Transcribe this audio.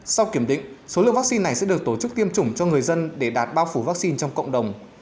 sau kiểm định số lượng vaccine này sẽ được tổ chức tiêm chủng cho người dân để đạt bao phủ vaccine trong cộng đồng